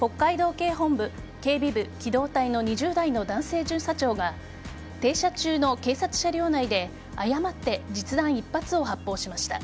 警本部警備部機動隊の２０代の男性巡査長が停車中の警察車両内で誤って実弾１発を発砲しました。